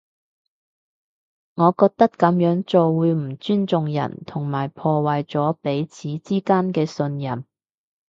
我覺得噉樣做會唔尊重人，同埋破壞咗彼此之間嘅信任